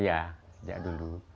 iya sejak dulu